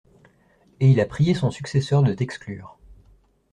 Et il a prié son successeur de t'exclure.